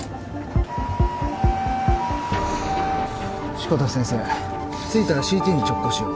志子田先生着いたらＣＴに直行しよう。